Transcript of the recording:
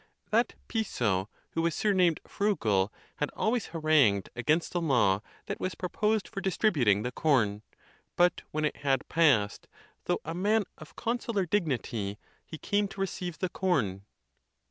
That Piso, who was surnamed Frugal, had always harangued against the law that was proposed for distributing the corn; but when it had passed, though aman of consular dignity, he came to receive the corn.